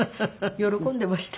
喜んでいました。